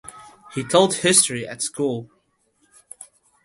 He taught history at school.